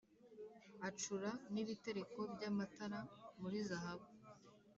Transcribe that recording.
acura n ibitereko by amatara muri zahabu